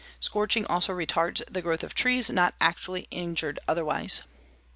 Scorching also retards the growth of trees not actually injured otherwise.